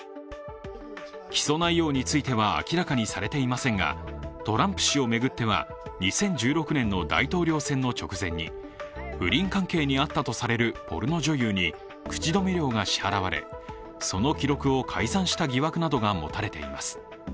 起訴内容については明らかにされていませんがトランプ氏を巡っては２０１６年の大統領選の直前に不倫関係にあったとされるポルノ女優に口止め料が支払われ、その記録を改ざんした疑惑などが持たれています。